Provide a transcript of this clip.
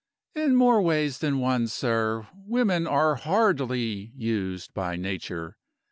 "In more ways than one, sir, women are hardly used by Nature.